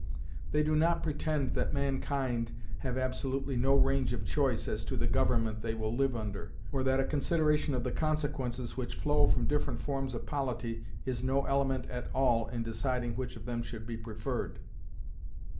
They do not pretend that mankind have absolutely no range of choice as to the government they will live under, or that a consideration of the consequences which flow from different forms of polity is no element at all in deciding which of them should be preferred.